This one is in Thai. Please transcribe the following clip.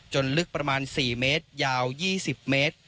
ลึกประมาณ๔เมตรยาว๒๐เมตร